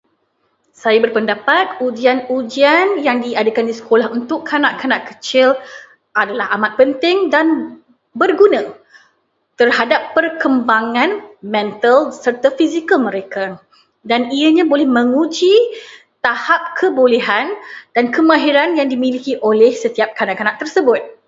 Saya berpendapat ujian-ujian yang diadakan di sekolah untuk kanak-kanak kecil adalah amat penting dan berguna terhadap perkembangan mental serta fizikal mereka, dan ianya boleh menguji tahap kebolehan dan kemahiran yang dimiliki oleh setiap kanak-kanak tersebut.